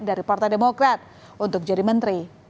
dari partai demokrat untuk jadi menteri